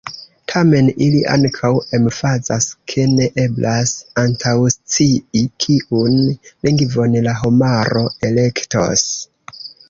Tamen ili ankaŭ emfazas, ke ne eblas antaŭscii, kiun lingvon la homaro elektos.